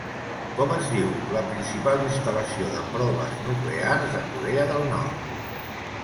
Com es diu la principal instal·lació de proves nuclears de Corea del Nord?